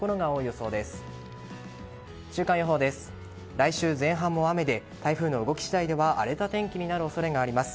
来週前半も雨で台風の動き次第では荒れた天気になる恐れがあります。